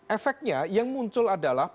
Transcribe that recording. efeknya yang muncul adalah